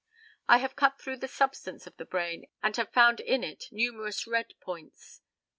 I have cut through the substance of the brain, and have found in it numerous red points.